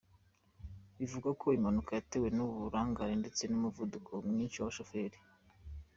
Bivugwa ko impanuka yatewe n’uburangare ndetse n’umuvuduko mwinshi w’abashoferi.